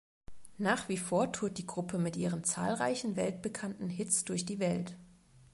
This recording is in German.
Nach wie vor tourt die Gruppe mit ihren zahlreichen weltbekannten Hits durch die Welt.